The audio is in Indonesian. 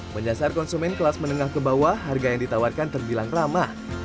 menyasar konsumen kelas menengah ke bawah harga yang ditawarkan terbilang ramah